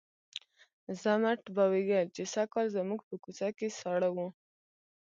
ضمټ به ویل چې سږکال زموږ په کوڅه کې ساړه وو.